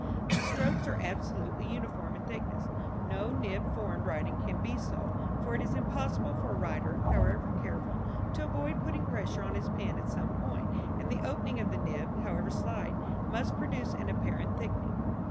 The strokes are absolutely uniform in thickness. No nib formed writing can be so, for it is impossible for a writer, however careful, to avoid putting pressure on his pen at some point; and the opening of the nib, however slight, must produce an apparent thickening.